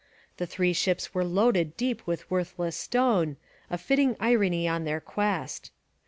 The three ships were loaded deep with worthless stone, a fitting irony on their quest.